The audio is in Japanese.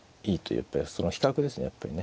やっぱりその比較ですねやっぱりね。